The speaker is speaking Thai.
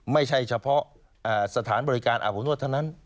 ไม่ใช่เฉพาะสถานบริการอาบอบนวดเท่านั้น